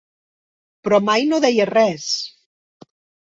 Però mai no deia res.